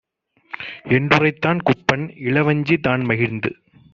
என்றுரைத்தான் Kuppan. Ilavanji தான்மகிழ்ந்து